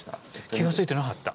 気が付いてなかった。